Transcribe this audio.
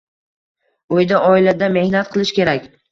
Uyda, oilada mehnat qilish kerak.